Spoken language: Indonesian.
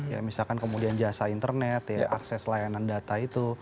ya misalkan kemudian jasa internet ya akses layanan data itu